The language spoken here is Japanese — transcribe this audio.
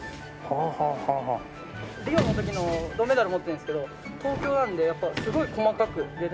リオの時の銅メダル持ってるんですけど東京なのでやっぱすごい細かくデザイン。